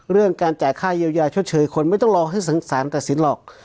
เรื่องการจ่ายค่าเยียวยาชดเชยคนไม่ต้องรอให้สารตัดสินหรอก